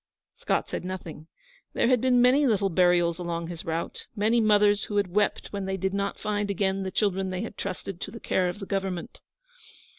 Scott said nothing. There had been many little burials along his route many mothers who had wept when they did not find again the children they had trusted to the care of the Government.